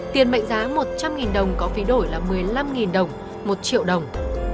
tiền mệnh giá một trăm linh đồng có phí đổi là một mươi năm đồng một triệu đồng